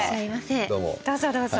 どうぞどうぞ。